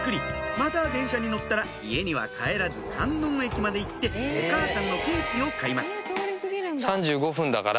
また電車に乗ったら家には帰らず観音駅まで行ってお母さんのケーキを買います３５分だから。